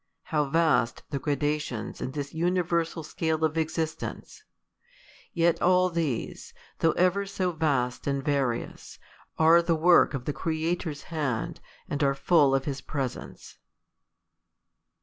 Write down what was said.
how vast the gradations ia this universal scale of existence ! Yet all these, thouj; h ever so vast and vai'ious, arc the work of the Creator's hand, and are full of his presence.